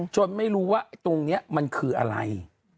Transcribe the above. ไม่รู้ว่าตรงนี้มันคืออะไร